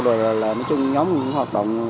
rồi là nói chung nhóm cũng hoạt động